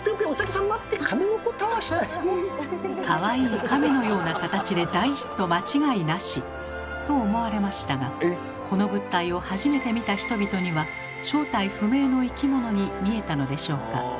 かわいい亀のような形で大ヒット間違いなし！と思われましたがこの物体を初めて見た人々には正体不明の生き物に見えたのでしょうか。